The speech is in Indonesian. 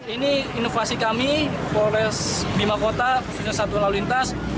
ini inovasi kami polres bima kota khususnya satu lalu lintas